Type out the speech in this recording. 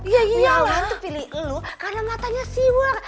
wirawat tuh pilih lu karena matanya siwet